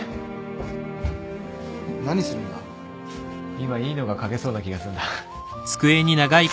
今いいのが書けそうな気がするんだ。